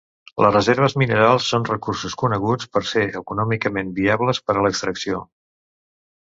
Les reserves minerals són recursos coneguts per ser econòmicament viables per a l'extracció.